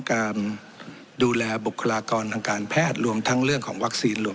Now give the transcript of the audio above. การดูแลบุคลากรทางการแพทย์รวมทั้งเรื่องของวัคซีนรวม